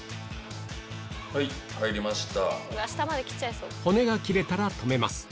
はい入りました。